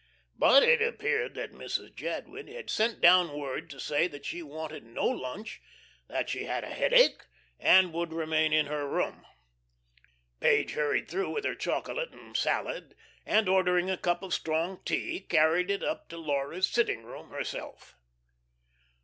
But it appeared that Mrs. Jadwin had sent down word to say that she wanted no lunch, that she had a headache and would remain in her room. Page hurried through with her chocolate and salad, and ordering a cup of strong tea, carried it up to Laura's "sitting room" herself.